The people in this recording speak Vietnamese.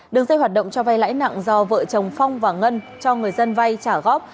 đường dây hoạt động cho vay lãi nặng do vợ chồng phong và ngân cho người dân vay trả góp